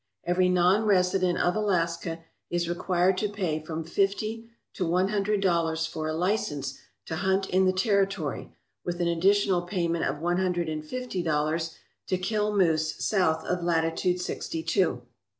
Every non resident of Alaska is required to pay from fifty to one hundred dollars for a license to hunt in the territory with an additional payment of one hundred and fifty dollars to kill moose south of latitude sixty two.